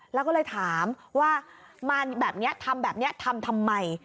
แล้วก็เลยถามว่ามาแบบนี้ทำแบบนี้ทำทำไม